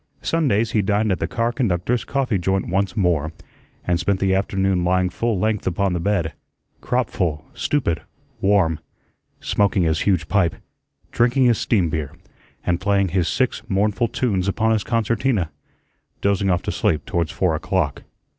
Sundays he dined at the car conductors' coffee joint once more, and spent the afternoon lying full length upon the bed, crop full, stupid, warm, smoking his huge pipe, drinking his steam beer, and playing his six mournful tunes upon his concertina, dozing off to sleep towards four o'clock.